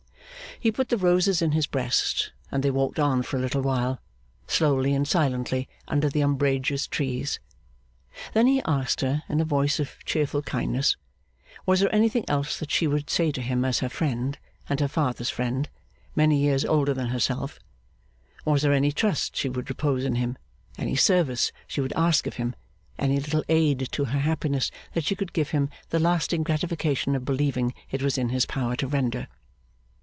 He put the roses in his breast and they walked on for a little while, slowly and silently, under the umbrageous trees. Then he asked her, in a voice of cheerful kindness, was there anything else that she would say to him as her friend and her father's friend, many years older than herself; was there any trust she would repose in him, any service she would ask of him, any little aid to her happiness that she could give him the lasting gratification of believing it was in his power to render?